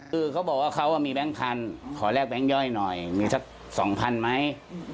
คือเขาบอกว่าเขามีแบงค์พันธุ์ขอแลกแก๊งย่อยหน่อยมีสัก๒๐๐๐ไหม